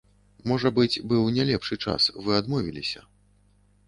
Можа быць, быў не лепшы час, вы адмовіліся.